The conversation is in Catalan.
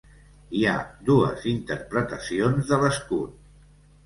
Hi ha dues interpretacions de l'escut.